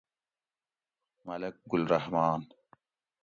ملک گل رحمان